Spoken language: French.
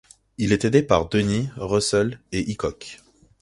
Il est aidé par Denny, Russell et Hickok.